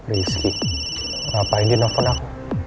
rizky kenapa ingin nelfon aku